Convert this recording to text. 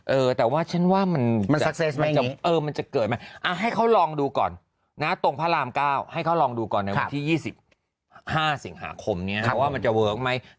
เออแต่ว่าฉันว่ามันมันมีริทดิ์ไม่อ่ะให้เขาลองดูก่อนตรงพระรามก้าวให้ครบดูก่อนในค่ะที่๒๕สิงหาคมเนี้ยว่ามันจะเวิร์คไหม